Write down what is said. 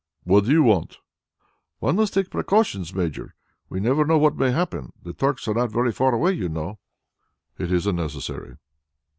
"What do you want?" "One must take precautions, Major. We never know what may happen. The Turks are not very far away, you know." "It is unnecessary."